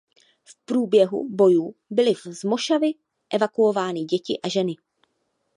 V průběhu bojů byly z mošavu evakuovány děti a ženy.